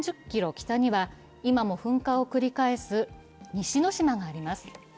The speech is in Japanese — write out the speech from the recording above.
北には今も噴火を繰り返す西之島があります。